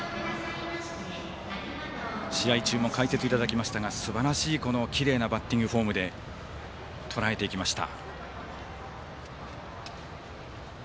試合中も解説いただきましたがすばらしいきれいなバッティングフォームでとらえていきました。